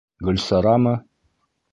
Гөлсарамы?